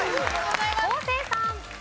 昴生さん。